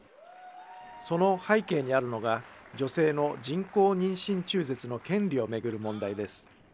その背景にあるのが、女性の人工妊娠中絶の権利を巡る問題です。